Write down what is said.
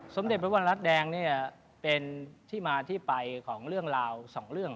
สมเด็จพระวรรณรัฐแดงเนี่ยเป็นที่มาที่ไปของเรื่องราวสองเรื่อง